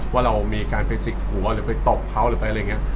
ว่าเรามีการไปจิกหัวหรือไปตบเขาอะไรแบบนี้